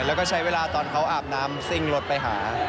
แล้วก็ใช้เวลาตอนเขาอาบน้ำซิ่งรถไปหา